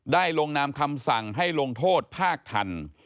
ลงนามคำสั่งให้ลงโทษภาคทัน